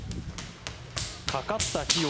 かかった費用